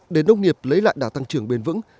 để nông nghiệp lấy lại đà tăng trưởng bền vững